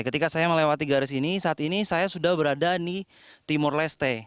ketika saya melewati garis ini saat ini saya sudah berada di timur leste